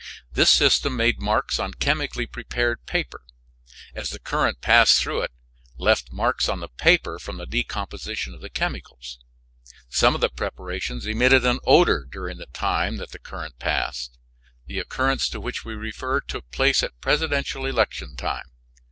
This system made marks on chemically prepared paper; as the current passed through it left marks on the paper from the decomposition of the chemicals. Some of the preparations emitted an odor during the time that the current passed. The occurrence to which we refer took place at presidential election time.